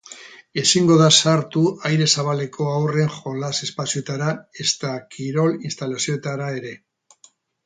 Ezingo da sartu aire zabaleko haurren jolas-espazioetara, ezta kirol-instalazioetara ere.